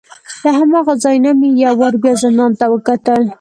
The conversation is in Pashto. له هماغه ځای نه مې یو وار بیا زندان ته وکتل.